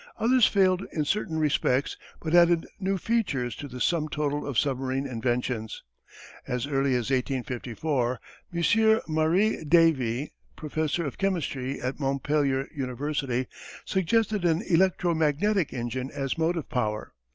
Others failed in certain respects but added new features to the sum total of submarine inventions. As early as 1854, M. Marié Davy, Professor of Chemistry at Montpellier University, suggested an electro magnetic engine as motive power.